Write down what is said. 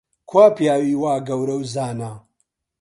کوا پیاوی وا گەورە و زانا؟